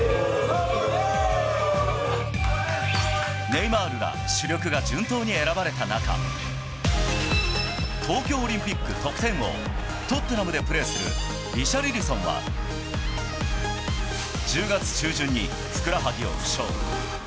ネイマールら、主力が順当に選ばれた中、東京オリンピック得点王、トッテナムでプレーするリシャルリソンは、１０月中旬にふくらはぎを負傷。